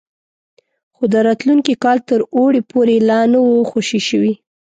خو د راتلونکي کال تر اوړي پورې لا نه وو خوشي شوي.